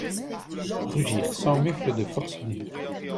Rugirent cent mufles de forcenés.